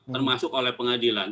termasuk oleh pengadilan